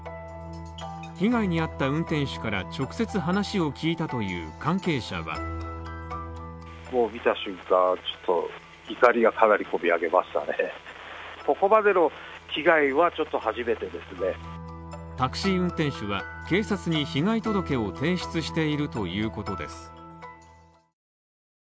被害に遭った運転手から直接話を聞いたという関係者はタクシー運転手は警察に被害届を提出しているということです。